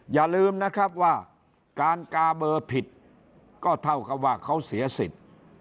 อย่าลืมนะครับว่าการกาเบอร์ผิดก็เท่ากับว่าเขาเสียสิทธิ์